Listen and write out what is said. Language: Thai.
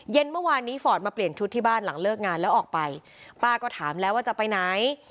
เมื่อวานนี้ฟอร์ดมาเปลี่ยนชุดที่บ้านหลังเลิกงานแล้วออกไปป้าก็ถามแล้วว่าจะไปไหน